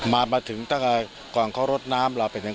มาถึงก่อนเขารถน้ำเราไป